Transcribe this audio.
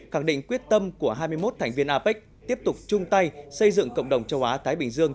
khẳng định quyết tâm của hai mươi một thành viên apec tiếp tục chung tay xây dựng cộng đồng châu á thái bình dương